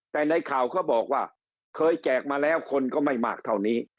แต่ในข่าวเขาบอกว่าเคยแจกมาแล้วคนก็ไม่มากเท่านี้